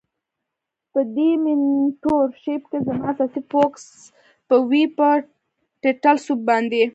په دی مینټور شیپ کی زما اساسی فوکس به وی په ټرټل سوپ باندی.